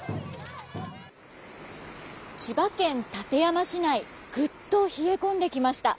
千葉県館山市内ぐっと冷え込んできました。